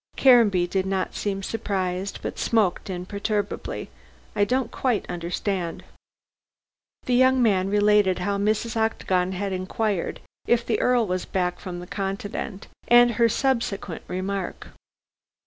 Caranby did not seem surprised, but smoked imperturbably. "I don't quite understand." The young man related how Mrs. Octagon had inquired if the Earl was back from the Continent, and her subsequent remark.